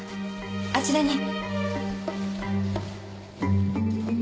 あちらに。